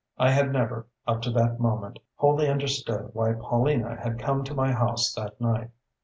I had never, up to that moment, wholly understood why Paulina had come to my house that night.